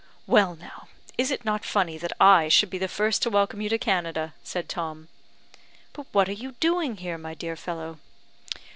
"Well, now, is it not funny that I should be the first to welcome you to Canada?" said Tom. "But what are you doing here, my dear fellow?"